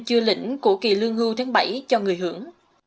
chưa lĩnh của kỳ lương hưu tháng bảy cho người hưởng